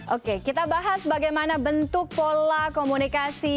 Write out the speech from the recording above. oke kita bahas bagaimana bentuk pola komunikasi